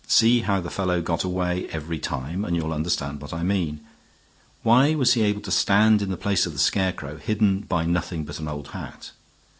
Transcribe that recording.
See how the fellow got away every time, and you'll understand what I mean. Why was he able to stand in the place of the scarecrow, hidden by nothing but an old hat?